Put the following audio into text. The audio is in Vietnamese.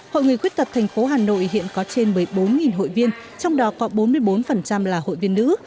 hội người khuyết tật thành phố hà nội hiện có trên một mươi bốn hội viên trong đó có bốn mươi bốn là hội viên nữ